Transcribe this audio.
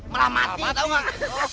malah mati tau gak